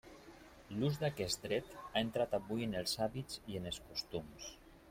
L'ús d'aquest dret ha entrat avui en els hàbits i en els costums.